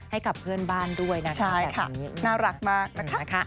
ให้กับเพื่อนบ้านด้วยนะครับแบบนี้อีกมากนะครับ